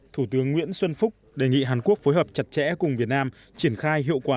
thủ tướng nguyễn xuân phúc đề nghị hàn quốc phối hợp chặt chẽ cùng việt nam triển khai hiệu quả